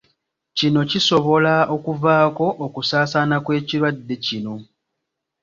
Kino kisobola okuvaako okusaasaana kw’ekirwadde kino.